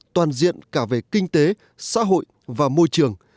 toàn diện cả về kinh tế xã hội và môi trường